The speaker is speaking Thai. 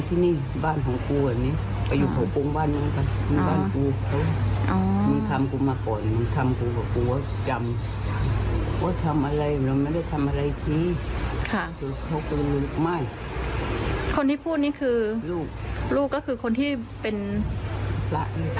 คนที่พูดนี่คือลูกลูกก็คือคนที่เป็นพระเลยค่ะ